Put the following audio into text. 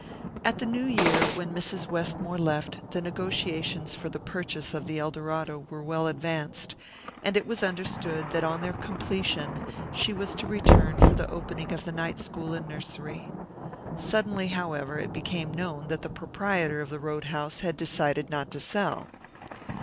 At the New Year, when Mrs. Westmore left, the negotiations for the purchase of the Eldorado were well advanced, and it was understood that on their completion she was to return for the opening of the night school and nursery. Suddenly, however, it became known that the proprietor of the road house had decided not to sell.